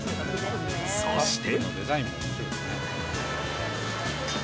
そして。